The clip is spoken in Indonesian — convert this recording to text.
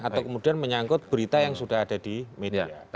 atau kemudian menyangkut berita yang sudah ada di media